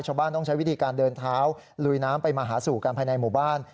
ชาวบ้านต้องใช้วิธีการเดินเท้าลุยน้ำไปมาหาสู่กันภายในหมู่บ้าน